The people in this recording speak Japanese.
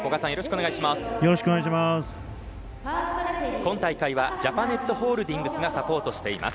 今大会はジャパネットホールディングスがサポートしています。